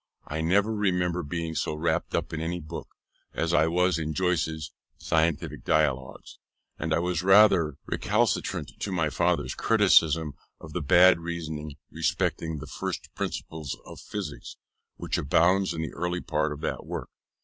I never remember being so wrapt up in any book, as I was in Joyce's Scientific Dialogues; and I was rather recalcitrant to my father's criticisms of the bad reasoning respecting the first principles of physics, which abounds in the early part of that work.